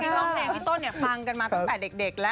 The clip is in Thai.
เพลงร้องเพลงพี่ต้นฟังกันมาตั้งแต่เด็กแล้ว